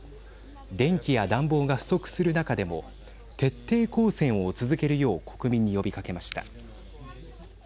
電気や暖房が不足する中でも徹底抗戦を続けるよう国民に呼びかけました。